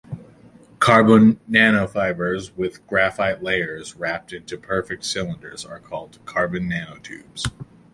Carbon nanofibers with graphene layers wrapped into perfect cylinders are called carbon nanotubes.